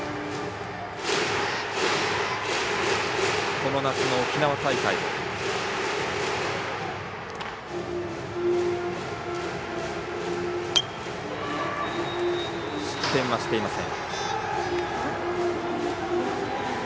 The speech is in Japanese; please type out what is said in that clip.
この夏の沖縄大会失点はしていません。